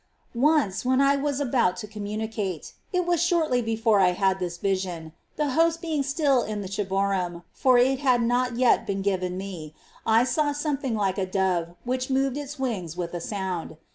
7. Once, when I was about to communicate, — it was shortly before I had this vision, — the Host being still in the ciborium, for it had not yet been given me, I saw something like a dove, which moved its wings with a sound.